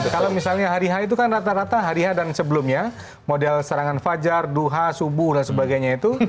kalau misalnya hari h itu kan rata rata hari h dan sebelumnya model serangan fajar duha subuh dan sebagainya itu